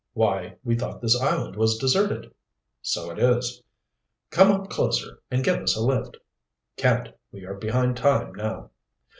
"Why, we thought this island was deserted." "So it is." "Come up closer and give us a lift." "Can't, we are behind time now."